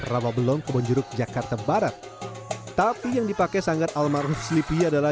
rambabelong kebonjuruk jakarta barat tapi yang dipakai sangat almarhum sleepy adalah